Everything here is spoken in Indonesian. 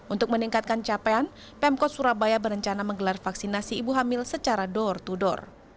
untuk meningkatkan capaian pemkot surabaya berencana menggelar vaksinasi ibu hamil secara door to door